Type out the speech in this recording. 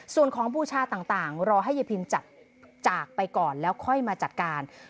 ส่วนของบูชาต่างรอให้ยายพิมจัดจากไปก่อนแล้วค่อยมาจัดการ